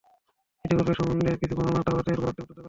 ইতিপূর্বেও এ সম্বন্ধে কিছু বর্ণনা তাওরাতের বরাতে উদ্ধৃত করা হয়েছে।